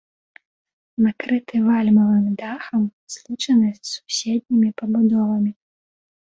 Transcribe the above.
Накрыты вальмавым дахам, злучаны з суседнімі пабудовамі.